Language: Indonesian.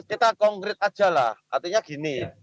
kita konkret ajalah artinya gini